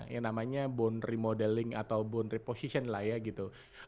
yang namanya bone remodeling atau bone reposition lah ya gitu